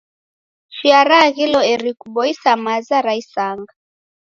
Chia raaghilo eri kuboisa maza ra isanga.